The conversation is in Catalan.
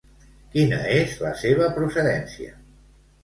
Quina és la seva procedència?